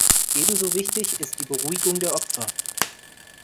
Ebenso wichtig ist die Beruhigung der Opfer.